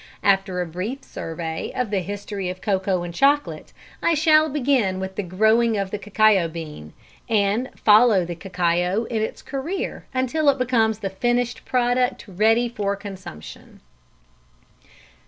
After a brief survey of the history of cocoa and chocolate, I shall begin with the growing of the cacao bean, and follow the cacao in its career until it becomes the finished product ready for consumption.